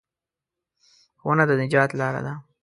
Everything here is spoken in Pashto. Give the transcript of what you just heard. ښوونه د نجات لاره ده.